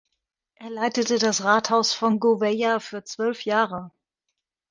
Er leitete das Rathaus von Gouveia für zwölf Jahre.